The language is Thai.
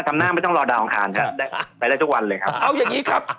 ทำหน้าไม่ต้องรอดาวอังคารครับได้ไปได้ทุกวันเลยครับเอาอย่างงี้ครับ